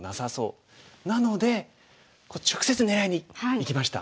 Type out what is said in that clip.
なので直接狙いにいきました。